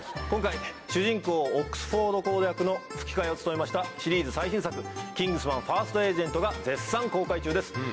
今回主人公オックスフォード公役の吹き替えを務めましたシリーズ最新作『キングスマン：ファースト・エージェント』が絶賛公開中です。